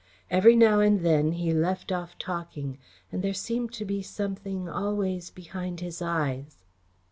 Every now and then he left off talking and there seemed to be something always behind his eyes."